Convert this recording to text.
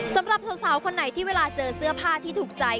สำหรับสาวคนไหนที่เวลาเจอเสื้อผ้าที่ถูกใจ